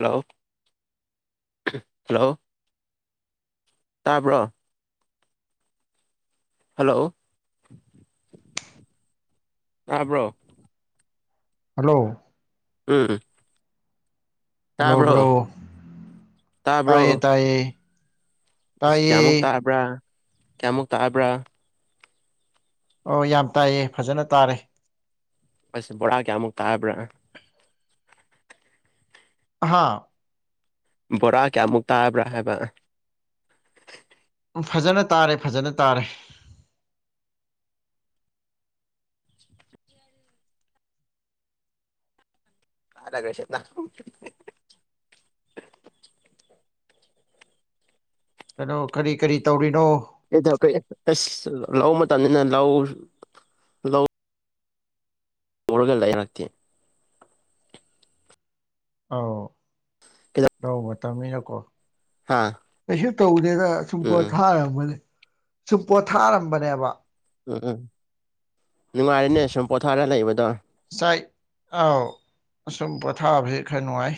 ꯂꯥꯛꯑꫭ hello ꯇꯥꯕ꯭ꯔꯣ hello ꯇꯥꯕ꯭ꯔꯣ hello ꯎꯝ ꯍꯜꯂꯣ ꯕ꯭ꯔꯣ ꯇꯥꯕ꯭ꯔꯣ ꯇꯥꯏꯌꯦ ꯇꯥꯕ꯭ꯔꯣ ꯇꯥꯏꯌꯦ ꯏꯁ ꯇꯥꯏꯌꯦ ꯀ꯭ꯌꯥꯃꯨꯛ ꯇꯥꯕ꯭ꯔꯥ ꯀ꯭ꯌꯥꯃꯨꯛ ꯇꯥꯕ꯭ꯔꯥ ꯑꯣ ꯌꯥꯝ ꯇꯥꯏꯌꯦ ꯐꯖꯅ ꯇꯥꯔꯦ ꯑꯁ ꯕꯣꯔꯥ ꯀ꯭ꯌꯥꯃꯨꯛ ꯇꯥꯕ꯭ꯔꯥ ꯑꯍꯥꯥ ꯕꯣꯔꯥ ꯀ꯭ꯌꯥꯃꯨꯛ ꯇꯥꯕ꯭ꯔꯥ ꯍꯥꯏꯕ ꯎꯝ ꯐꯖꯅ ꯇꯥꯔꯦ ꯐꯖꯅ ꯇꯥꯔꯦ ꯇꯥꯗꯒ ꯁꯦꯠꯅ [unintelligible] ꯀꯅꯣ ꯀꯔꯤ ꯀꯔꯤ ꯇꯧꯔꯤꯅꯣ ꯀꯩꯗꯧ ꯀꯦꯑꯦ ꯑꯁ ꯂꯧ ꯃꯇꯝꯅꯤꯅ ꯂꯧ ꯂꯧ ꯎꯔꯒ ꯂꯩꯔꯥꯛꯇꯦ ꯑꯧ ꯂꯧ ꯃꯇꯝꯅꯤꯅꯀꯣ ꯍꯥ ꯀꯩꯁꯨ ꯇꯧꯗꯦꯗ ꯁꯨꯝ ꯎꯝ ꯄꯣꯠꯊꯥꯔꯝꯕꯅꯦ ꯁꯨꯝ ꯄꯣꯠꯊꯥꯔꯝꯕꯅꯦꯕ ꯎꯝ ꯎꯝ ꯅꯨꯡꯉꯥꯏꯔꯦꯅꯦ ꯁꯨꯝ ꯄꯣꯊꯥꯔ ꯂꯩꯕꯗꯣ ꯆꯥꯏ ꯑꯥꯎ ꯑꯁꯨꯝ ꯄꯣꯊꯥꯕꯖꯤ ꯈꯔ ꯅꯨꯡꯉꯥꯏ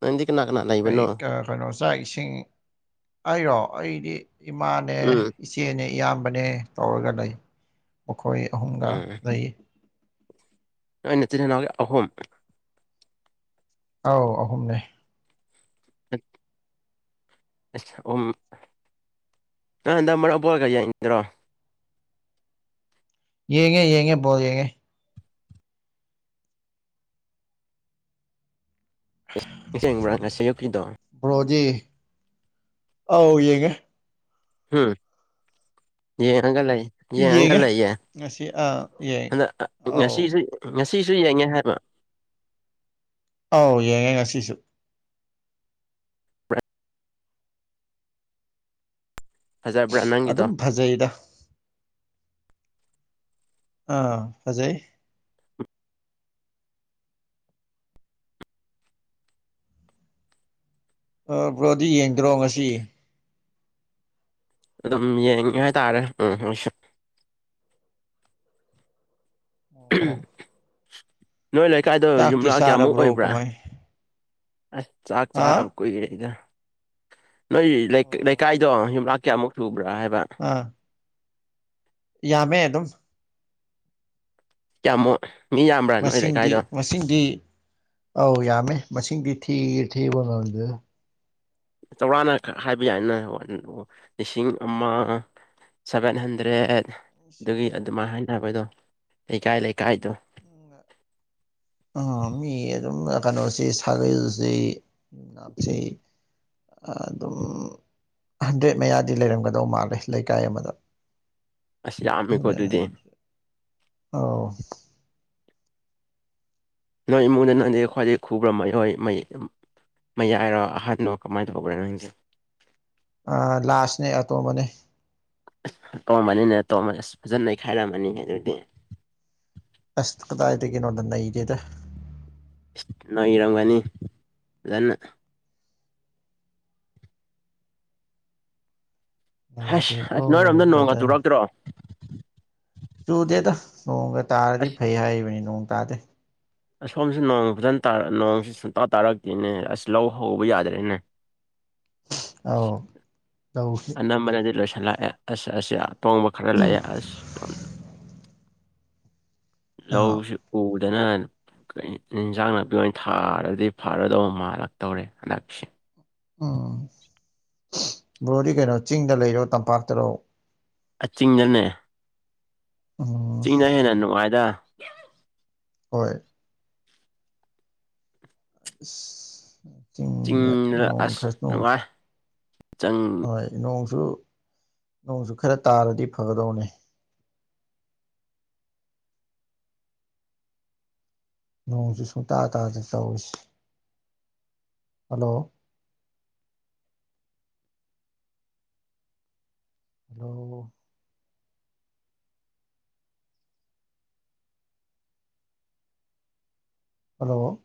ꯅꯪꯗꯤ ꯀꯅꯥ ꯀꯅꯥ ꯂꯩꯕꯅꯣ [unintelligible] ꯅꯣ ꯆꯥꯛ ꯏꯁꯤꯡ ꯑꯩꯔꯣ ꯑꯩꯗꯤ ꯏꯃꯥꯅꯦ ꯎꯝ ꯏꯆꯦꯅꯦ ꯏꯌꯥꯝꯕꯅꯦ ꯇꯧꯔꯒ ꯂꯩ ꯃꯈꯣꯏ ꯑꯍꯨꯝꯒꯥ ꯎꯝ ꯂꯩ ꯅꯣꯏ ꯅꯆꯤꯟ ꯅꯅꯥꯎ ꯑꯍꯨꯝ ꯑꯧ ꯑꯍꯨꯝꯅꯦ [unintelligible] ꯑꯁ ꯑꯍꯨꯝ ꯅꯪ ꯍꯟꯗꯛ ꯃꯔꯛ ꯕꯣꯜꯒ ꯌꯦꯡꯗ꯭ꯔꯣ ꯌꯦꯡꯉꯦ ꯌꯦꯡꯉꯦ ꯕꯣꯜ ꯌꯦꯡꯉꯦ [inaudible] ꯃꯦꯁ ꯌꯦꯡꯕ꯭ꯔꯥ ꯉꯁꯤ ꯌꯨꯛꯀꯤꯗꯣ ꯕ꯭ꯔꯣꯗꯤ ꯑꯧ ꯌꯦꯡꯉꯦ ꯍꯨꯝ ꯌꯦꯡꯉꯒ ꯂꯩ ꯌꯦꯡꯉꯒ ꯌꯦꯡꯉꯦ ꯂꯩꯌꯦ ꯉꯁꯤ ꯑꯥ ꯌꯦꯡ ꯍꯟꯗꯛ ꯑꯧ ꯉꯁꯤꯁꯨ ꯉꯁꯤꯁꯨ ꯌꯦꯡꯉꯦ ꯍꯥꯏꯕ ꯑꯧ ꯌꯦꯡꯉꯦ ꯉꯁꯤꯁꯨ ꯐꯖꯕ꯭ꯔꯥ ꯅꯪꯒꯤꯗꯣ ꯑꯗꯨꯝ ꯐꯖꯩꯗ ꯑꯥ ꯐꯖꯩ ꯑ ꯕ꯭ꯔꯣꯗꯤ ꯌꯦꯡꯗ꯭ꯔꯣ ꯉꯁꯤ ꯑꯗꯨꯝ ꯌꯦꯡꯉꯦ ꯍꯥꯏꯇꯥꯔꯦ ꯎꯝ ꯑꯩꯁꯨ ꯑꯣ ꯅꯣꯏ ꯂꯩꯀꯥꯏꯗꯣ ꯆꯥꯛꯇꯤ ꯌꯨꯝꯂꯥꯛ ꯀꯌꯥꯃꯨꯛ ꯆꯥꯔꯕ꯭ꯔꯣ ꯑꯣꯏꯕ꯭ꯔꯥ ꯀꯃꯥꯏ ꯑꯁ ꯆꯥꯛ ꯆꯥꯕ ꯍꯥ ꯀꯨꯏꯔꯦꯗ ꯅꯣꯏ ꯑꯣ ꯂꯩꯀꯥꯏꯗꯣ ꯌꯨꯝꯂꯥꯛ ꯀꯌꯥꯃꯨꯛ ꯁꯨꯕ꯭ꯔꯥ ꯍꯥꯏꯕ ꯑꯥ ꯌꯥꯝꯃꯦ ꯑꯗꯨꯝ ꯀꯥꯌꯥꯃꯨꯛ ꯃꯁꯤꯡꯗꯤ ꯃꯁꯤꯡꯗꯤ ꯑꯧ ꯌꯥꯝꯃꯦ ꯃꯁꯤꯡꯗꯤ ꯊꯤ ꯊꯤꯕ ꯉꯝꯗꯦ ꯆꯥꯎꯔꯥꯛꯅ ꯈꯛ ꯍꯥꯏꯕ ꯌꯥꯏꯅ ꯍ ꯑꯗꯨ ꯑꯣ ꯂꯤꯁꯤꯡ ꯑꯃ ꯁꯚꯦꯟ ꯍꯟꯗ꯭ꯔꯦꯠ ꯑꯗꯨꯒꯤ ꯑꯗꯨꯃꯥꯏꯅ ꯍꯥꯏꯅꯕꯗꯣ ꯂꯩꯀꯥꯏ ꯂꯩꯀꯥꯏꯗꯣ ꯎ ꯃꯤ ꯑꯗꯨꯝ ꯀꯩꯅꯣꯁꯤ ꯁꯥꯒꯩꯁꯤ ꯅꯝ ꯁꯤ ꯑꯗꯨꯝ ꯍꯟꯗ꯭ꯔꯦꯠ ꯃꯌꯥꯗꯤ ꯂꯩꯔꯝꯒꯗꯧ ꯃꯥꯜꯂꯦ ꯂꯩꯀꯥꯏ ꯑꯃꯗ ꯑꯁ ꯌꯥꯝꯃꯤꯀꯣ ꯑꯗꯨꯗꯤ [unintelligible] [unintelligible] ꯅꯣꯏ ꯏꯃꯨꯡꯗ ꯅꯪꯗꯤ ꯈ꯭ꯋꯥꯏꯗꯒꯤ ꯈꯨꯕ꯭ꯔ ꯃꯥꯏꯍꯣꯏ ꯃꯩ ꯃꯌꯥꯏꯔꯣ ꯑꯍꯥꯟꯕꯗꯣ ꯀꯃꯥꯏꯅ ꯇꯧꯕ꯭ꯔꯣ ꯅꯪꯁꯦ ꯑ ꯂꯥꯁꯅꯦ ꯑꯇꯣꯝꯕꯅꯦ ꯇꯣꯝꯕꯅꯤꯅ ꯇꯣꯝꯕ ꯑꯁ ꯐꯖꯅ ꯏꯩꯈꯥꯏꯔꯝꯃꯅꯤ ꯑꯗꯨꯗꯤ ꯑꯁ ꯀꯗꯥꯗꯗꯒꯤ ꯅꯣꯗ ꯅꯩꯗꯦꯗ ꯏꯁ ꯅꯩꯔꯝꯒꯅꯤ ꯐꯖꯅ ꯑꯁ ꯅꯩꯗꯦꯀꯣ ꯑꯁ ꯅꯣꯏꯔꯣꯝꯗ ꯅꯣꯡꯒ ꯕ꯭ꯔꯗꯔ ꯇꯨꯔꯛꯇ꯭ꯔꯣ ꯆꯨꯗꯦꯗ ꯅꯣꯡꯒ ꯇꯥꯔꯗꯤ ꯑꯁ ꯐꯩ ꯍꯥꯏꯔꯤꯕꯅꯤ ꯅꯣꯡ ꯇꯥꯗꯦ ꯑꯁꯣꯝ ꯅꯣꯡ ꯐꯖꯅ ꯅꯣꯡꯁꯤ ꯁꯨꯡꯇꯥ ꯇꯥꯔꯛꯇꯦꯅꯦ ꯑꯁ ꯂꯧ ꯍꯧꯕ ꯌꯥꯗ꯭ꯔꯦꯅꯦ ꯑꯥꯎ ꯇꯧ ꯅꯝꯕꯅꯗꯤ ꯂꯣꯏꯁꯤꯜꯂꯛꯑꯦ ꯑꯁ ꯑꯁ ꯇꯣꯡꯕ ꯈꯔ ꯎꯝ ꯂꯥꯛꯑꯦ ꯑꯁ ꯑꯥ ꯂꯧꯁꯤ ꯎꯗꯅ ꯏꯟꯖꯥꯡ ꯅꯥꯄꯤ ꯑꯣꯏꯅ ꯊꯥꯔꯗꯤ ꯐꯔꯗꯧꯕ ꯃꯥꯜꯂꯛꯇꯧꯔꯦ ꯍꯟꯗꯛꯁꯦ ꯎꯝ ꯕ꯭ꯔꯣꯗꯤ ꯀꯩꯅꯣ ꯆꯤꯡꯗ ꯂꯩꯔꯣ ꯇꯝꯄꯥꯛꯇꯔꯣ ꯑꯆꯤꯡꯗꯅꯦ ꯎꯝ ꯆꯤꯡꯅ ꯍꯦꯟꯅ ꯅꯨꯡꯉꯥꯏꯗ ꯍꯣꯏ ꯑꯁ ꯆꯤꯡ ꯆꯤꯡꯗ ꯅꯣꯡ ꯑꯁ ꯈꯔꯁꯣꯡ ꯅꯨꯡꯉꯥꯏ ꯆꯪ ꯍꯣꯏ ꯅꯣꯡꯁꯨ ꯅꯣꯡꯁꯨ ꯈꯔ ꯇꯥꯔꯗꯤ ꯐꯒꯗꯧꯅꯦ ꯅꯣꯡꯁꯤ ꯁꯨꯡꯇꯥꯥ ꯇꯥꯗ ꯇꯧꯋꯁꯤ ꯍꯜꯂꯣ ꯍꯜꯂꯣ ꯍꯜꯂꯣ